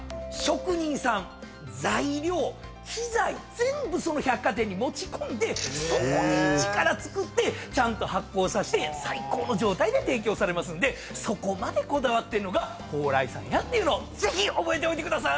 全部その百貨店に持ち込んでそこで一から作ってちゃんと発酵させて最高の状態で提供されますんでそこまでこだわってるのが蓬莱さんやっていうのをぜひ覚えておいてくださーい！